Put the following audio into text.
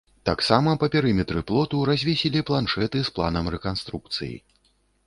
Таксама па перыметры плоту развесілі планшэты з планам рэканструкцыі.